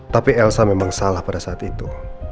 tapi elsa memang salah pada saat itu